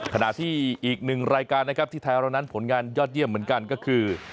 ขณะที่อีกหนึ่งรายการนะครับที่ไทยเรานั้นผลงานยอดเยี่ยมเหมือนกันก็คือ